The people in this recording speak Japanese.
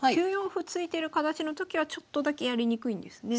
歩突いてる形のときはちょっとだけやりにくいんですね。